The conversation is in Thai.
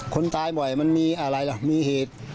คนตายบ่อยมันมีอะไรล่ะมีเหตุ